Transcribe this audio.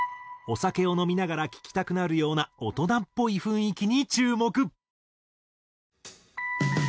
お酒を飲みながら聴きたくなるような大人っぽい雰囲気に注目。